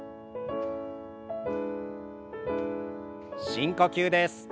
深呼吸です。